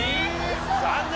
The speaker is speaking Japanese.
残念！